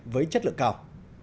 với chất lượng cao